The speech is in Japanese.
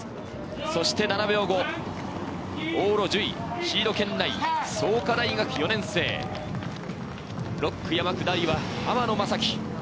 そして７秒後、往路１０位、シード圏内、創価大学４年生、６区山下りは濱野将基。